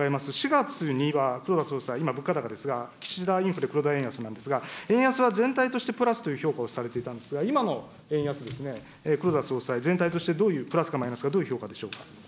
４月には黒田総裁、今、物価高ですが、岸田インフレ、黒田円安なんですが、円安は全体としてプラスという評価をされていたんですが、今の円安ですね、黒田総裁、全体としてどういう、プラスかマイナスか、どういう評価でしょうか。